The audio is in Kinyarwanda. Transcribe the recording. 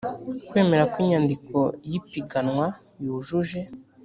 kwemera ko inyandiko y ipiganwa yujuje